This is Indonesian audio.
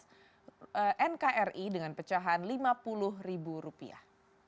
kasus nkri dengan pecahan lima puluh ribu rupiah